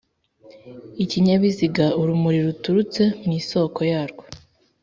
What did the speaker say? ikinyabiziga urumuri ruturutse mu isoko yarwo.